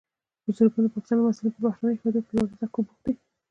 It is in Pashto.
په زرګونو پښتانه محصلین په بهرنیو هیوادونو کې په لوړو زده کړو بوخت دي.